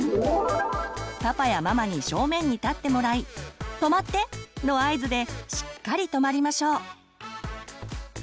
パパやママに正面に立ってもらい「止まって！」の合図でしっかり止まりましょう。